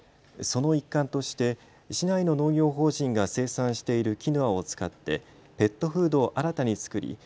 その一環として市内の農業法人が生産しているキヌアを使ってペットフードを新たに作り